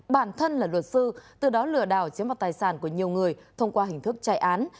bản thân là luật sư từ đó lừa đảo chiếm vào tài sản của nhiều người thông qua hình thức chạy án